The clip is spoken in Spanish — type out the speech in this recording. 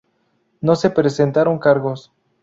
No se presentaron cargos.